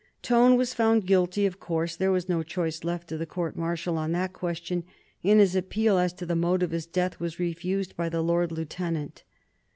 Tone was found guilty, of course; there was no choice left to the court martial on that question, and his appeal as to the mode of his death was refused by the Lord Lieutenant.